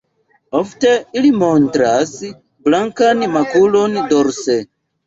Ofte ili montras blankan makulon dorse.